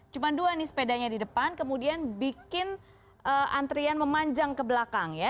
cuma dua nih sepedanya di depan kemudian bikin antrian memanjang ke belakang ya